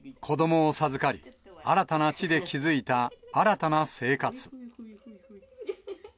子どもを授かり、新たな地で築いた新たな生活。